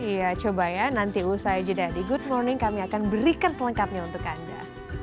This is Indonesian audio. iya coba ya nanti usai jeda di good morning kami akan berikan selengkapnya untuk anda